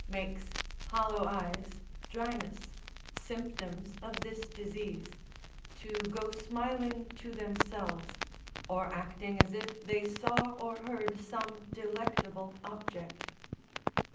makes hollow eyes, dryness, symptoms of this disease, to go smiling to themselves, or acting as if they saw or heard some delectable object.